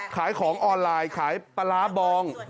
ขายของออนไลน์ขายปลาร้าบอง